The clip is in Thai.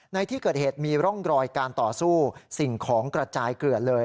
ในที่เกิดเหตุมีร่องรอยการต่อสู้สิ่งของกระจายเกลือดเลย